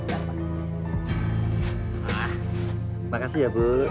wah makasih ya bu